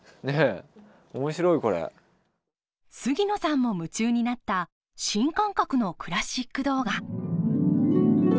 杉野さんも夢中になった新感覚のクラシック動画。